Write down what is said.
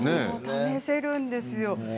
試せるんですよ。